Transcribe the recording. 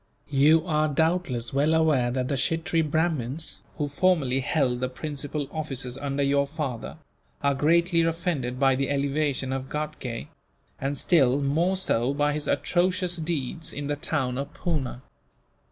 You are doubtless well aware that the Kshittree Brahmins, who formerly held the principal offices under your father, are greatly offended by the elevation of Ghatgay; and still more so by his atrocious deeds in the town of Poona.